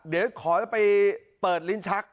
เดี๋ยวขอจะไปเปิดลิ้นชัก